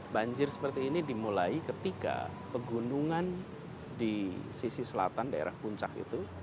banjir seperti ini dimulai ketika pegunungan di sisi selatan daerah puncak itu